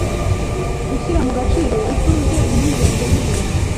gushyira mu gaciro, ituze, impungenge n’ibindi